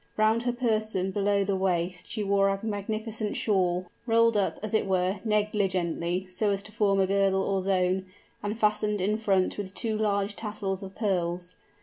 Round her person below the waist she wore a magnificent shawl, rolled up, as it were, negligently, so as to form a girdle or zone, and fastened in front with two large tassels of pearls.